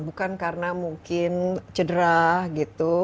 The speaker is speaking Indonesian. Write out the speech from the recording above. bukan karena mungkin cedera gitu